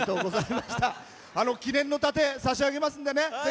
記念の盾、差し上げますので。